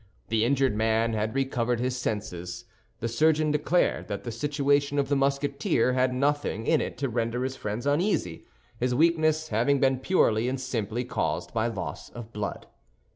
The injured man had recovered his senses. The surgeon declared that the situation of the Musketeer had nothing in it to render his friends uneasy, his weakness having been purely and simply caused by loss of blood.